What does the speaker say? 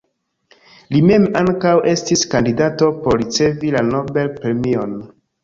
Li mem ankaŭ estis kandidato por ricevi la Nobel-premion.